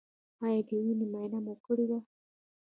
ایا د وینې معاینه مو کړې ده؟